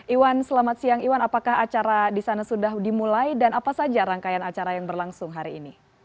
iwan selamat siang iwan apakah acara di sana sudah dimulai dan apa saja rangkaian acara yang berlangsung hari ini